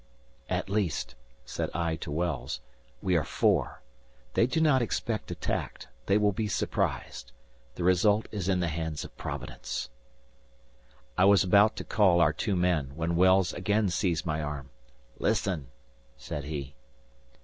"At least," said I to Wells, "we are four. They do not expect attack; they will be surprised. The result is in the hands of Providence." I was about to call our two men, when Wells again seized my arm. "Listen!" said he.